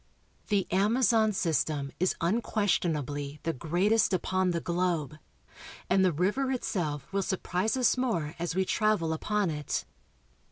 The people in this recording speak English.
The Amazon system is unquestionably the greatest upon the globe, and the river itself will surprise us more as we travel upon it.